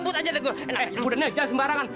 biam kuda marah